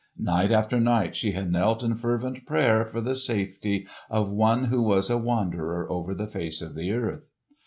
Night after night she had knelt in fervent prayer for the safety of one who was a wanderer over the face of the earth.